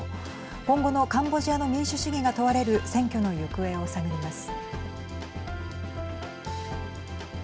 今後のカンボジアの民主主義が問われる選挙の行方を探ります。